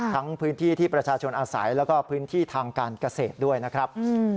พื้นที่ที่ประชาชนอาศัยแล้วก็พื้นที่ทางการเกษตรด้วยนะครับ